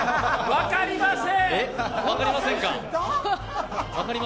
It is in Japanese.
分かりませんか？